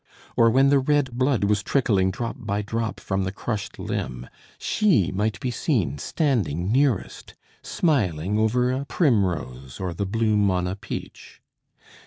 Or when the red blood was trickling drop by drop from the crushed limb, she might be seen standing nearest, smiling over a primrose or the bloom on a peach.